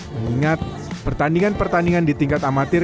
mengingat pertandingan pertandingan di tingkat amatir